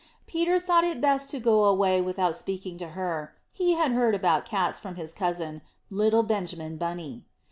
Peter thought it best to go away without speaking to her, he had heard about Cats from his cousin, little Benjamin Bunny.